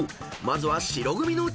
［まずは］